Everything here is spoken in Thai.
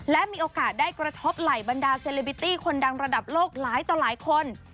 และมีโอกาสได้กระทบไหล่บรรดาเซเลบิตี้คนดังระดับโลกหลายต่อหลายคน